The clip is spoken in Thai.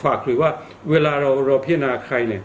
ฝากคือว่าเวลาเราพิจารณาใคร